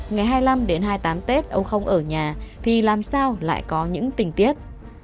ngày hai mươi năm đến hai mươi tám tết ông không ở nhà thì làm sao lại có những tình tiết